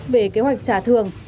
về kế hoạch trả thường